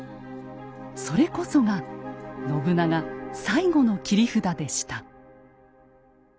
それこそが信長最後の切り札でした。